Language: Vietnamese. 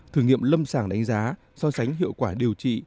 thử nghiệm lâm sàng đánh giá so sánh hiệu quả điều trị